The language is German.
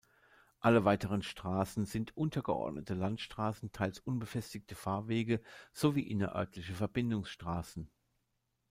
Alle weiteren Straßen sind untergeordnete Landstraßen, teils unbefestigte Fahrwege sowie innerörtliche Verbindungsstraßen.